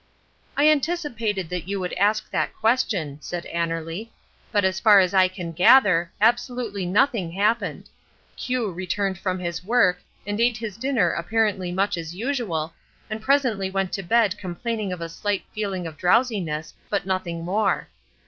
"I anticipated that you would ask that question," said Annerly, "but as far as I can gather, absolutely nothing happened. Q returned from his work, and ate his dinner apparently much as usual, and presently went to bed complaining of a slight feeling of drowsiness, but nothing more.